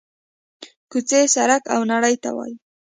کوڅې، سړک او نړۍ ته ووايي: